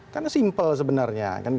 karena simpel sebenarnya